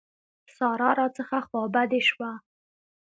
سارا راڅخه خوابدې شوه.